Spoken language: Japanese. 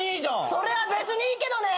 それは別にいいけどね！